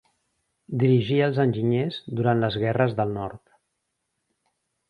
Dirigí els enginyers durant les Guerres del Nord.